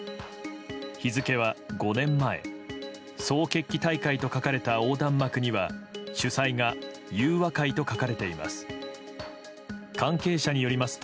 日付は５年前「総決起大会」と書かれた横断幕には主催が「裕和会」と書かれています。